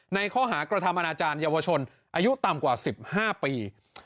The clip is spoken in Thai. ในข้อหากระทำอนาจารย์เยาวชนอายุต่ำกว่า๑๕ปี